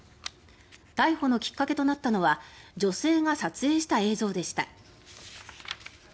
逮捕のきっかけとなったのは女性が撮影した映像でした。